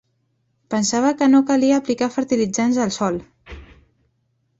Pensava que no calia aplicar fertilitzants al sòl.